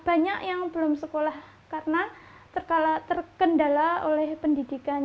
banyak yang belum sekolah karena terkendala oleh pendidikan